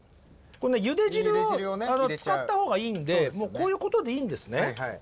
ゆで汁を使ったほうがいいんでこういうことでいいんですね。